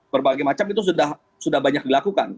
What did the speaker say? berbagai macam itu sudah banyak dilakukan